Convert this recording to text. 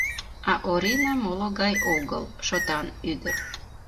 А Орина моло гай огыл, шотан ӱдыр.